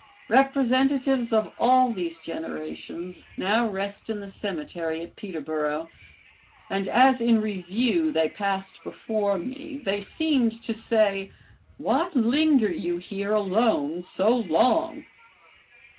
Representatives of all these generations now rest in the cemetery at Peterboro, and as in review they passed before me they seemed to say, "Why linger you here alone so long?"